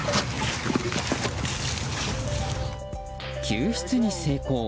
救出に成功。